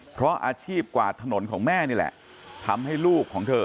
เพราะอาชีพกวาดถนนของแม่นี่แหละทำให้ลูกของเธอ